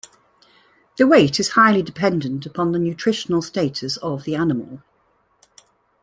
The weight is highly dependent upon the nutritional status of the animal.